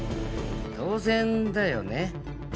当然だよね？